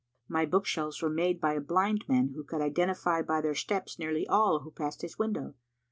My book shelves were made by a blind man who could identify by their steps nearly all who passed his window.